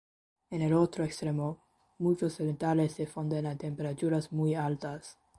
En el otro extremo, muchos metales se funden a temperaturas muy altas.